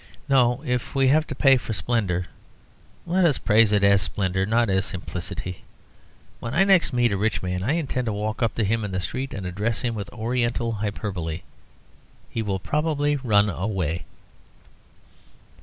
No! if we have to pay for splendour let us praise it as splendour, not as simplicity. When next I meet a rich man I intend to walk up to him in the street and address him with Oriental hyperbole. He will probably run away.